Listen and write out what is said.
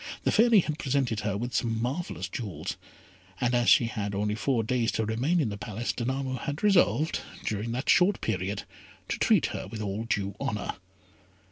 The Fairy had presented her with some marvellous jewels, and as she had only four days to remain in the palace, Danamo had resolved, during that short period, to treat her with all due honour.